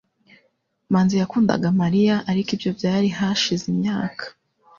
Manzi yakundaga Mariya, ariko ibyo byari hashize imyaka.